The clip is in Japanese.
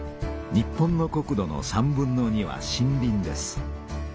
日本の国土の３分の２は森林です。